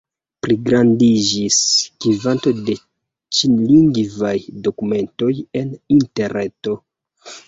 Pligrandiĝas kvanto de ĉinlingvaj dokumentoj en Interreto.